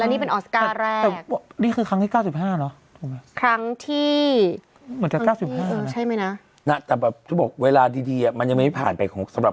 แล้วพอเป็นหญิงเอเชียคนแรกที่ได้ออสคา